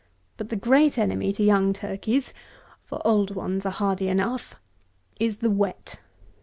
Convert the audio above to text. But the great enemy to young turkeys (for old ones are hardy enough) is the wet.